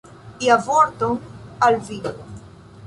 Ia vorton al vi.